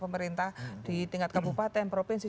pemerintah di tingkat kabupaten provinsi